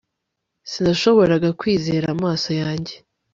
sinashoboraga kwizera amaso yanjye